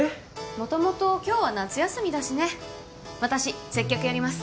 元々今日は夏休みだしね私接客やります